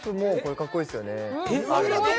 かっこいいですよね。